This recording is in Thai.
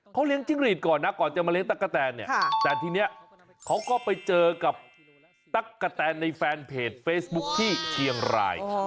เขาเลี้ยงจิ้งรีดก่อนนะก่อนจะมาเลี้ยตะกะแตนเนี่ยแต่ทีนี้เขาก็ไปเจอกับตั๊กกะแตนในแฟนเพจเฟซบุ๊คที่เชียงราย